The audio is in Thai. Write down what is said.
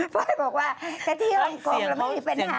ปอยบอกว่าถ้าที่อังกษ์แล้วไม่มีปัญหาค่ะ